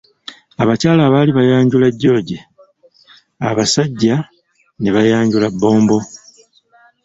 Abakyala baali bayanjula jooje, Abasajja ne bayanjula bbombo.